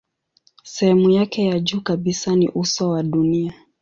Sehemu yake ya juu kabisa ni uso wa dunia.